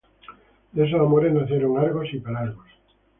De esos amores nacieron Argos y Pelasgos.